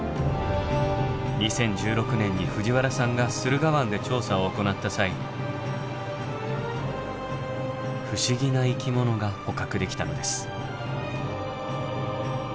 ２０１６年に藤原さんが駿河湾で調査を行った際不思議な生き物が捕獲できたのです。